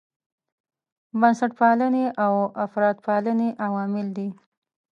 بنسټپالنې او افراطپالنې عوامل دي.